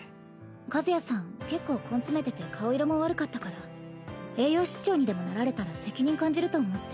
和也さん結構根詰めてて顔色も悪かったから栄養失調にでもなられたら責任感じると思って。